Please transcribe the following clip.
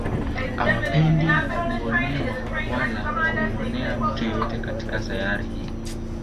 Hawapendi kuonewa wala kumuonea mtu yeyote katika sayari hii